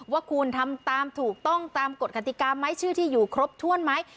ว่าคุณทำตามถูกต้องตามกฎกติกาไหมชื่อที่อยู่ครบถ้วนไหม